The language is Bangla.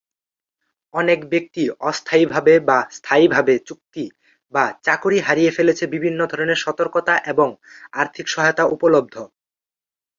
অনেক ব্যক্তি অস্থায়ীভাবে বা স্থায়ীভাবে চুক্তি বা চাকুরী হারিয়ে ফেলেছে বিভিন্ন ধরনের সতর্কতা এবং আর্থিক সহায়তা উপলব্ধ।